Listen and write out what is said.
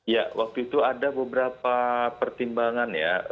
ya waktu itu ada beberapa pertimbangan ya